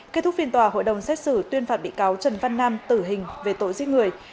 kết thúc phiên tòa hội đồng xét xử tuyên phạt bị cáo trần văn nam tử hình về tội giết người